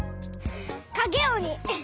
かげおに！